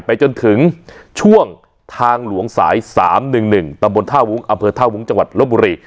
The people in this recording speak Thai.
จนถึงช่วงทางหลวงสาย๓๑๑ตำบลท่าวุ้งอำเภอท่าวุ้งจังหวัดลบบุรี